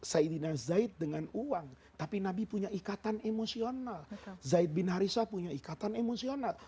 saidina zaid dengan uang tapi nabi punya ikatan emosional zaid bin harisyah punya ikatan emosional